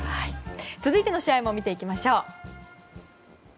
続いての試合も見ていきましょう。